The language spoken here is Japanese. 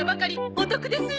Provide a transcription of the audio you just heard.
お得ですよ。